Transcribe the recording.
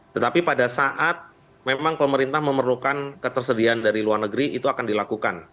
tetapi pada saat memang pemerintah memerlukan ketersediaan dari luar negeri itu akan dilakukan